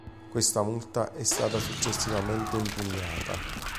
Questa multa è stata successivamente impugnata.